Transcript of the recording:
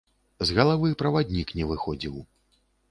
З галавы праваднік не выходзіў.